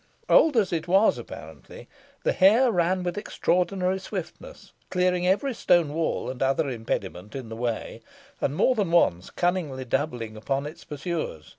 Old as it was, apparently, the hare ran with extraordinary swiftness, clearing every stone wall and other impediment in the way, and more than once cunningly doubling upon its pursuers.